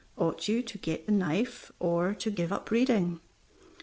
Ought you to get the knife or to give up reading?